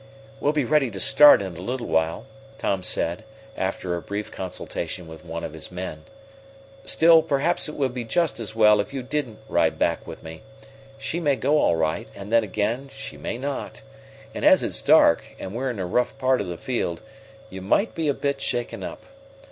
"We'll be ready to start in a little while," Tom said, after a brief consultation with one of his men. "Still, perhaps it would be just as well if you didn't ride back with me. She may go all right, and then, again, she may not. And as it's dark, and we're in a rough part of the field, you might be a bit shaken up.